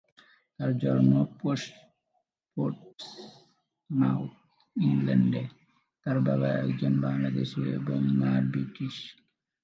তার জন্ম পোর্টসমাউথ, ইংল্যান্ডে, তার বাবা একজন বাংলাদেশী এবং মা ব্রিটিশ।